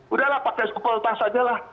udah lah pakai sepuluh tas aja lah